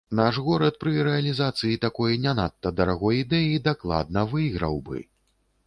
Наш горад пры рэалізацыі такой не надта дарагой ідэі дакладна выйграў бы!